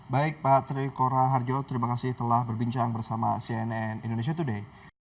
baik pak trikora harjo terima kasih telah berbincang bersama cnn indonesia today